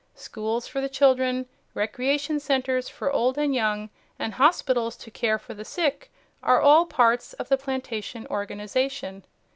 Schools for the children, recreation centers for old and young, and hospitals to care for the sick, are all parts of the plantation organization.